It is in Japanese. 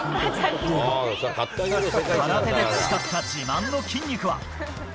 空手で培った自慢の筋肉は。